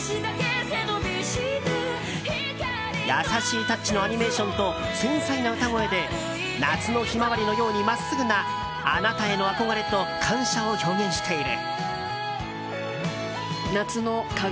優しいタッチのアニメーションと繊細な歌声で夏のヒマワリのように真っすぐなあなたへの憧れと感謝を表現している。